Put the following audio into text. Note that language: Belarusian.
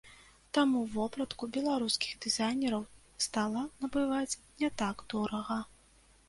Таму вопратку беларускіх дызайнераў стала набываць не так дорага.